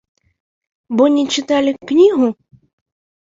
Бо не чыталі кнігу?